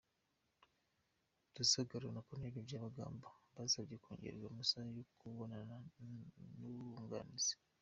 Rusagara na Col Byabagamba basabye kongererwa amasaha yo kubonana n’abunganizi.